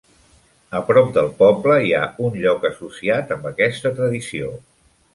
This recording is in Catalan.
A prop del poble hi ha un lloc associat amb aquesta tradició.